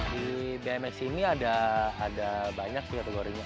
di bmx ini ada banyak kategorinya